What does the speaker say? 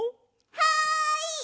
はい！